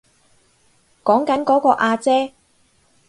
講緊嗰個阿姐